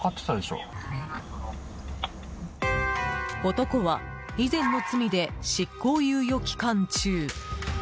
男は、以前の罪で執行猶予期間中。